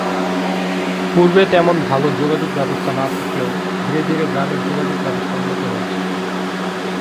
পূর্বে তেমন ভালো যোগাযোগ ব্যবস্থা না থাকলেও ধীরে ধীরে গ্রামের যোগাযোগ ব্যবস্থা উন্নত হচ্ছে।